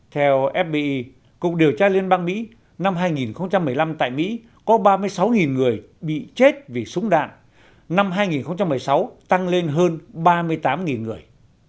theo fbi cục điều tra liên bang mỹ năm hai nghìn một mươi năm tại mỹ có ba mươi sáu người bị chết vì súng đạn năm hai nghìn một mươi sáu tăng lên hơn ba mươi tám người